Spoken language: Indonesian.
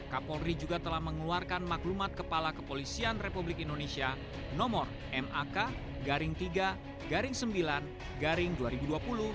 kapolri juga telah mengeluarkan maklumat kepala kepolisian republik indonesia nomor mak garing tiga garing sembilan garing dua ribu dua puluh